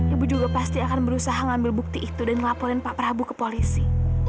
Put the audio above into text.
ibu juga pasti akan berusaha ngambil bukti itu dan laporin pak prabu ke polisi